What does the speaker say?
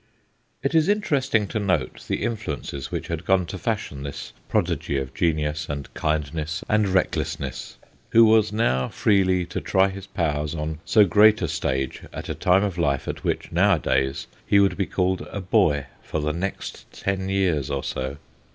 It is interesting to note the influences which had gone to fashion this prodigy of genius and kindness and recklessness, who was now freely to try his powers on so great a stage at a time of life at which, nowadays, he would be called a boy for the next ten years or so.